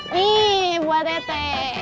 nih buat teteh